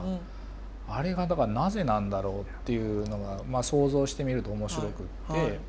あれがだからなぜなんだろうっていうのが想像してみると面白くって。